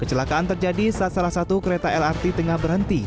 kecelakaan terjadi saat salah satu kereta lrt tengah berhenti